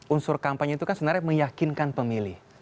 unsur kampanye itu kan sebenarnya meyakinkan pemilih